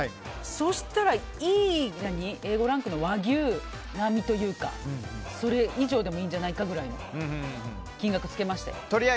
そしたら、いいＡ５ランクの和牛並みというかそれ以上でもいいんじゃないかぐらいの金額をつけました。